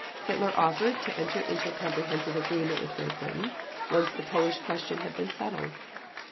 Hitler offered to enter into a comprehensive agreement with Great Britain, once the Polish question had been settled.